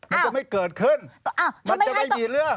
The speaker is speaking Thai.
มันจะไม่เกิดขึ้นมันจะไม่มีเรื่อง